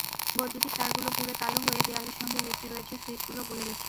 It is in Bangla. বৈদ্যুতিক তারগুলো পুড়ে কালো হয়ে দেয়ালের সঙ্গে লেপ্টে রয়েছে, সুইচগুলো গলে গেছে।